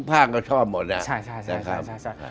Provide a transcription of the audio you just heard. ทุกภาคก็ชอบหมดน่ะใช้ใช้ใช้ใช้ใช้ใช้